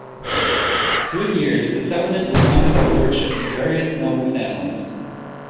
Through the years, the settlement was under the lordship of various noble families.